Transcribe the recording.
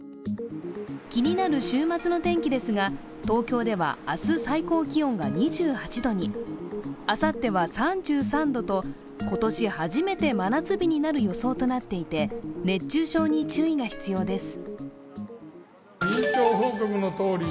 気になる週末の天気ですが、東京では明日、最高気温が２８度に、あさっては３３度と今年初めて真夏日になるよそうとなっていて熱中症に注意が必要です。